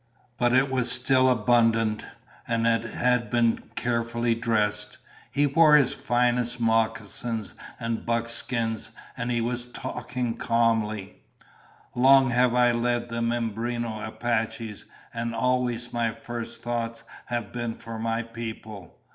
But it was still abundant, and it had just been carefully dressed. He wore his finest moccasins and buckskins, and he was talking calmly. "Long have I led the Mimbreno Apaches, and always my first thoughts have been for my people.